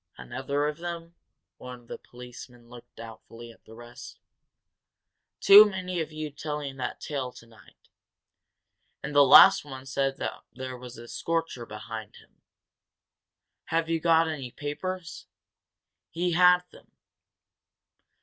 "Another of them?" One of the policemen looked doubtfully at the rest. "Too many of you telling that tale tonight. And the last one said there was a scorcher behind him. Have you got any papers? He had them!"